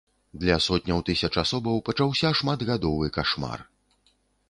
Для сотняў тысяч асобаў пачаўся шматгадовы кашмар.